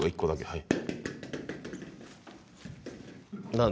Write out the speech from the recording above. はい。